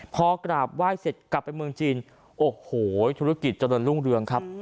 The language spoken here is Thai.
พอกราบไหว้เสร็จกลับไปเมืองจีนโอ้โหธุรกิจเจริญรุ่งเรืองครับ